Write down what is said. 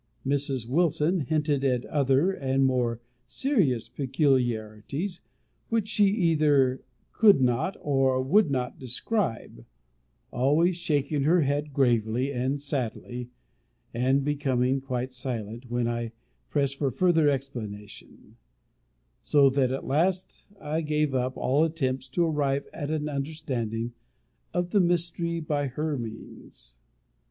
Mrs. Wilson hinted at other and more serious peculiarities, which she either could not, or would not describe; always shaking her head gravely and sadly, and becoming quite silent, when I pressed for further explanation; so that, at last, I gave up all attempts to arrive at an understanding of the mystery by her means.